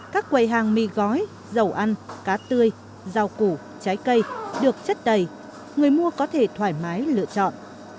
các quầy hàng mì gói dầu ăn cá tươi rau củ trái cây được chất đầy người mua có thể thoải mái lựa chọn